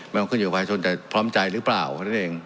ไม่ต้องขึ้นอยู่กับภายชนแต่พร้อมใจหรือเปล่าเพราะฉะนั้นเอง